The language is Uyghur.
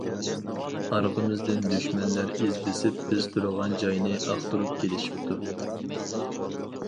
ئارقىمىزدىن دۈشمەنلەر ئىز بېسىپ بىز تۇرغان جاينى ئاختۇرۇپ كېلىشىپتۇ.